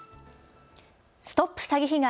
ＳＴＯＰ詐欺被害！